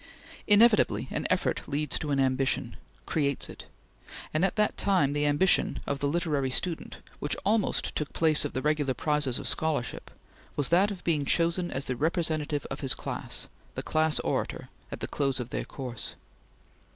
Inevitably an effort leads to an ambition creates it and at that time the ambition of the literary student, which almost took place of the regular prizes of scholarship, was that of being chosen as the representative of his class Class Orator at the close of their course.